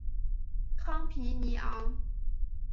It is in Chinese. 康皮尼昂。